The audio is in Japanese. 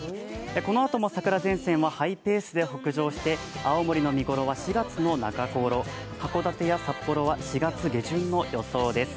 このあとも桜前線はハイペースで北上して青森の見頃は４月の中頃、函館や札幌は４月下旬の予想です。